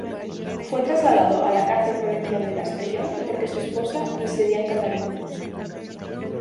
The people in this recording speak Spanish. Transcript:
Fue trasladado a la cárcel provincial de Castellón porque su esposa residía en Cataluña.